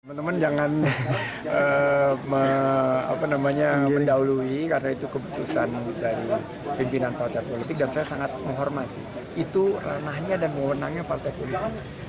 teman teman jangan mendahului karena itu keputusan dari pimpinan partai politik dan saya sangat menghormati itu ranahnya dan mewenangnya partai golkar